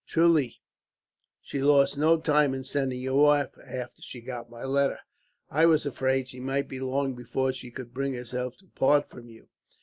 Truly she lost no time in sending you off, after she got my letter. I was afraid she might be long before she could bring herself to part from you."